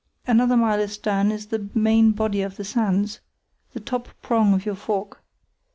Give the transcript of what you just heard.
Another mile astern is the main body of the sands, the top prong of your fork.